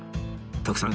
徳さん